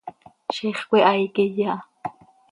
Ziix cöihaai quiya ha.